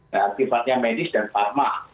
nah tipanya medis dan parma